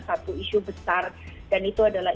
satu isu besar dan itu adalah